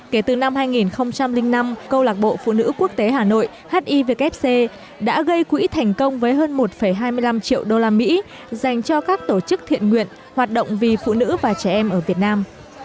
kể từ năm hai nghìn năm câu lạc bộ phụ nữ quốc tế hà nội hivc đã gây quỹ thành công với hơn một hai mươi năm triệu đô la mỹ dành cho các tổ chức thiện nguyện hoạt động vì phụ nữ và trẻ em ở việt nam